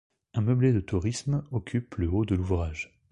Un meublé de tourisme occupe le haut de l'ouvrage.